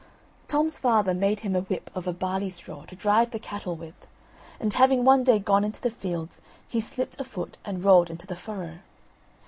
Tom's father made him a whip of a barley straw to drive the cattle with, and having one day gone into the fields, he slipped a foot and rolled into the furrow.